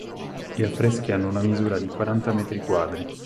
Gli affreschi hanno una misura di quaranta mq.